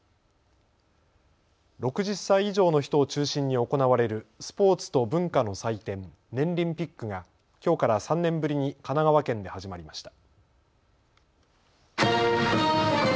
６０歳以上の人を中心に行われるスポーツと文化の祭典、ねんりんピックがきょうから３年ぶりに神奈川県で始まりました。